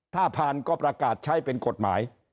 ถ้าผ่านก็ประกาศใช้เป็นกฎหมาย